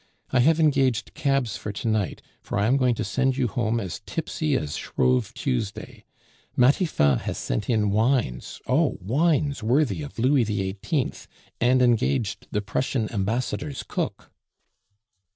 "I have engaged cabs for to night, for I am going to send you home as tipsy as Shrove Tuesday. Matifat has sent in wines oh! wines worthy of Louis XVIII., and engaged the Prussian ambassador's cook."